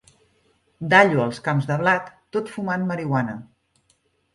Dallo els camps de blat tot fumant marihuana.